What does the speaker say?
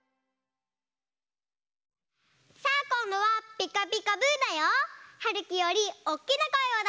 さあこんどは「ピカピカブ！」だよ。はるきよりおっきなこえをだしてね！